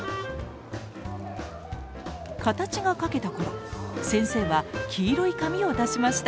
形が描けた頃先生は黄色い紙を出しました。